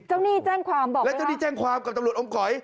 เจ้านี่แจ้งความบอกไหมครับแล้วเจ้านี่แจ้งความกับตำรวจอมก๋อย